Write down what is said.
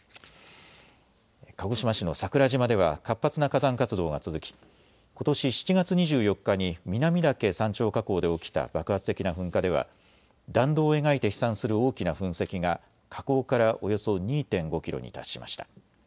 鹿児島市の桜島では活発な火山活動が続き、ことし７月２４日に南岳山頂火口で起きた爆発的な噴火では弾道を描いて飛散する大きな噴石が火口からおよそ２．５キロに達しました。